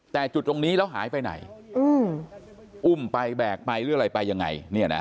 แต่จุดตรงนี้แล้วหายไปไหนอุ้มไปแบกไปหรืออะไรไปยังไง